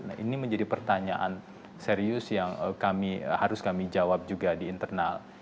nah ini menjadi pertanyaan serius yang harus kami jawab juga di internal